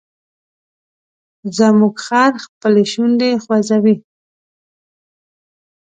زموږ خر خپلې شونډې خوځوي.